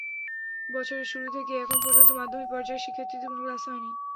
বছরের শুরু থেকে এখন পর্যন্ত মাধ্যমিক পর্যায়ের শিক্ষার্থীদের কোনো ক্লাস হয়নি।